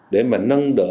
để mà nâng đỡ